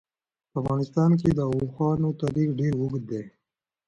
په افغانستان کې د اوښانو تاریخ ډېر اوږد دی.